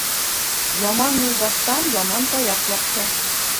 Яман юлдаштан яман таяҡ яҡшы